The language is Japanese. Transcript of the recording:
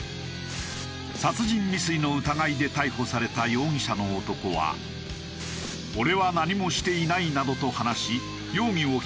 殺人未遂の疑いで逮捕された容疑者の男は「俺は何もしていない」などと話し容疑を否認したという。